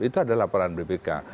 itu ada laporan bpk